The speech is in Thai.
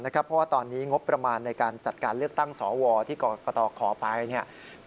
เพราะว่าตอนนี้งบประมาณในการจัดการเลือกตั้งสวที่กรกตขอไปเนี่ย